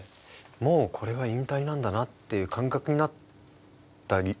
もうこれは引退なんだなっていう感覚になった理由だとか